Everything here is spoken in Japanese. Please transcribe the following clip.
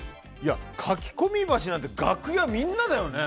かき込み箸なんて楽屋、みんなだよね。